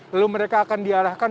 lalu mereka akan diarahkan